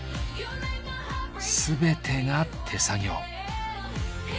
全てが手作業。